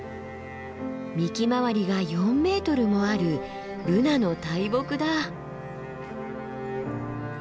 幹回りが４ｍもあるブナの大木だ。